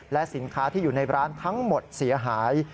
และสินค้าที่อยู่ในร้านทั้งหมดเสียหาย